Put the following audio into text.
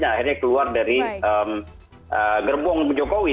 akhirnya keluar dari gerbong jokowi